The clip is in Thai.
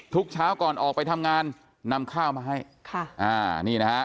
ทุกเช้าก่อนออกไปทำงานนำข้าวมาให้ค่ะอ่านี่นะฮะ